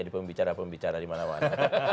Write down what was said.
di pembicara pembicara dimana mana